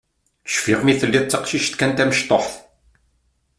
Cfiɣ mi telliḍ d taqcict kan tamecṭuḥt.